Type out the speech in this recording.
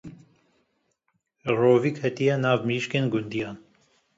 Rovî ketiye nav mirîşkên gundiyan.